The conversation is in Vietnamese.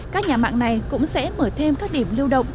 các nhà mạng này cũng sẽ mở thêm các điểm lưu động